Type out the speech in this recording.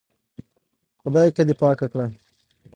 خدايکه دې پاکه کړه.